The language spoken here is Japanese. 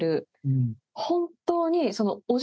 本当に。